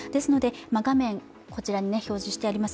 画面に表示してあります